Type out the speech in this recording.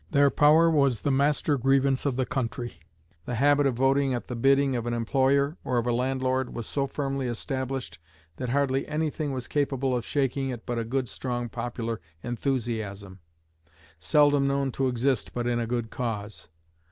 Their power was the master grievance of the country. The habit of voting at the bidding of an employer or of a landlord was so firmly established that hardly any thing was capable of shaking it but a strong popular enthusiasm, seldom known to exist but in a good cause.